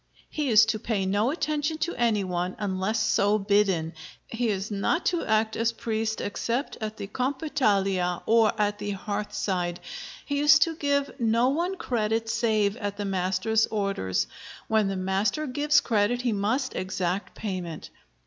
He is to pay no attention to any one, unless so bidden. He is not to act as priest except at the Compitalia or at the hearthside. He is to give no one credit save at the master's orders. When the master gives credit he must exact payment.